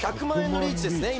「１００万円のリーチです」